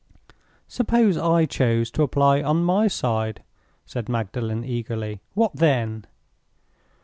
"Suppose I chose to apply on my side?" said Magdalen, eagerly. "What then?"